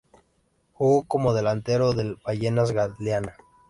Jugó como delantero del Ballenas Galeana.